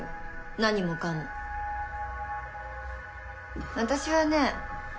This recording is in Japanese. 何もかも私はね